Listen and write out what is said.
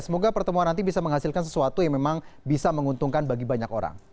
semoga pertemuan nanti bisa menghasilkan sesuatu yang memang bisa menguntungkan